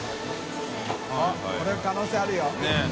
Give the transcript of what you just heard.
△これ可能性あるよ。ねぇ。